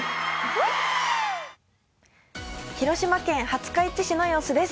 広島県廿日市市の様子です。